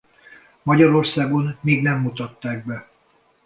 Magyarországon még nem mutatták be.